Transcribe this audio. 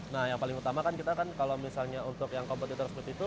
nah yang paling utama kan kita kan kalau misalnya untuk yang kompetitor seperti itu